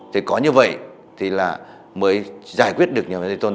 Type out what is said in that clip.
thì có như vậy thì là mới giải quyết được